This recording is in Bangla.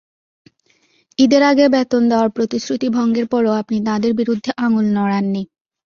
ঈদের আগে বেতন দেওয়ার প্রতিশ্রুতি ভঙ্গের পরও আপনি তাঁদের বিরুদ্ধে আঙুল নড়াননি।